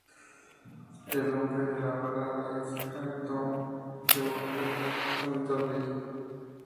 El nombre de la balada es ""Hang Down Your Head, Tom Dooley"".